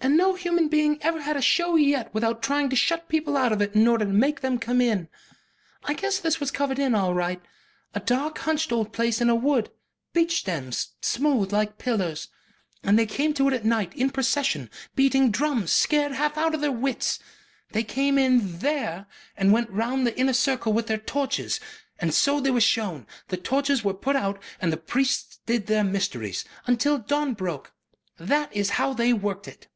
And no human being ever had a show yet without trying to shut people out of it in order to make them come in. I guess this was covered in all right. A dark hunched old place in a wood. Beech stems, smooth, like pillars. And they came to it at night, in procession, beating drums, and scared half out of their wits. They came in THERE and went round the inner circle with their torches. And so they were shown. The torches were put out and the priests did their mysteries. Until dawn broke. That is how they worked it."